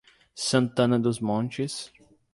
Santana dos Montes